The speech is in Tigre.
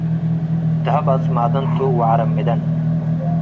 ደሀብ አጽማደንቱ ወዐረምደን